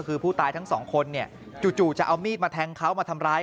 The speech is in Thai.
คือผู้ตายทั้งสองคนเนี่ยจู่จะเอามีดมาแทงเขามาทำร้าย